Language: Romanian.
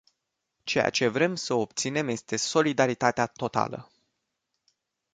Ceea ce vrem să obținem este solidaritatea totală.